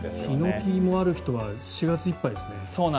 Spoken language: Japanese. ヒノキもある人は４月いっぱいですね。